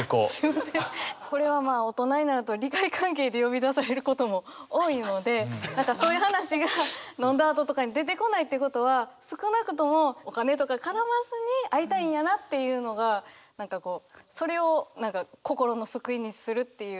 これは大人になると利害関係で呼び出されることも多いのでそういう話が飲んだあととかに出てこないってことは少なくともお金とか絡まずに会いたいんやなっていうのが何かこうそれを心の救いにするっていう。